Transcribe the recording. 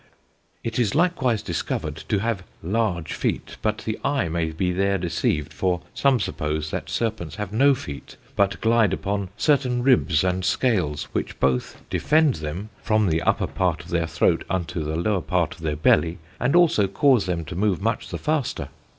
"It is likewise discovered to have large feete, but the eye may be there deceived; for some suppose that serpents have no feete, but glide upon certain ribbes and scales, which both defend them from the upper part of their throat unto the lower part of their bellie, and also cause them to move much the faster.